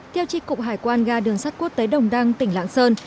theo tri cục hải quan ga đường sắt quốc tế đồng đăng tỉnh lạng sơn